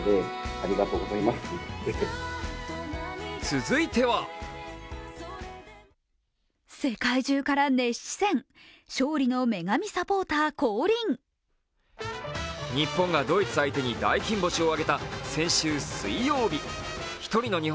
続いては日本がドイツ相手に大金星を挙げた先週水曜日。